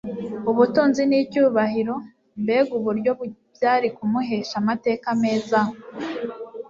ubutunzi n'icyubahiro, mbega uburyo byari kumuhesha amateka meza